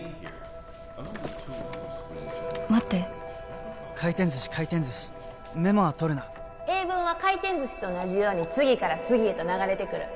待って回転寿司回転寿司メモは取るな英文は回転寿司と同じように次から次へと流れてくる